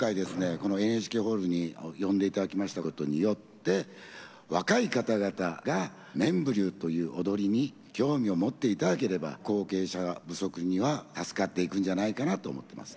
このＮＨＫホールに呼んで頂きましたことによって若い方々が「面浮立」という踊りに興味を持って頂ければ後継者不足には助かっていくんじゃないかなと思ってます。